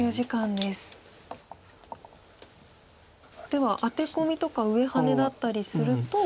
ではアテコミとか上ハネだったりすると。